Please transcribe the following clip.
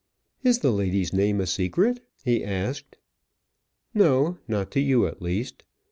"Is the lady's name a secret?" he asked. "No; not to you, at least.